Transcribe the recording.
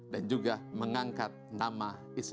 dan juga mengangkat nama islam